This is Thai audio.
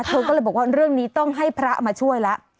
เธอก็เลยบอกว่าเรื่องนี้ต้องให้พระมาช่วยแล้ว